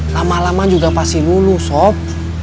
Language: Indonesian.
lama lama juga pasti lulu sob